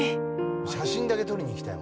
写真だけ撮りに行きたい。